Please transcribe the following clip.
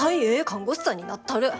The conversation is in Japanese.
看護師さんになったる。